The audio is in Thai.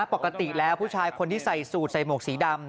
ปกติแล้วผู้ชายคนที่ใส่สูตรใส่หมวกสีดำ